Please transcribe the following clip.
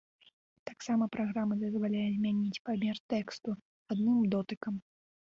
Таксама праграма дазваляе змяняць памер тэксту адным дотыкам.